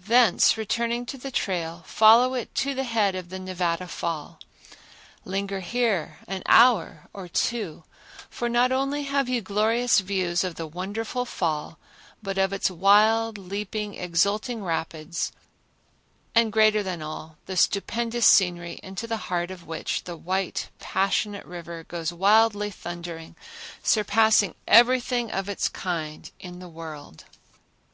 Thence returning to the trail, follow it to the head of the Nevada Fall. Linger here an hour or two, for not only have you glorious views of the wonderful fall, but of its wild, leaping, exulting rapids and, greater than all, the stupendous scenery into the heart of which the white passionate river goes wildly thundering, surpassing everything of its kind in the world.